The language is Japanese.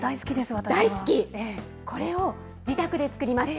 大好き、これを自宅で作ります。